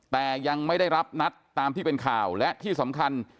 แต่ยังไม่ได้รับนัดตามที่เป็นข่าวและที่สำคัญ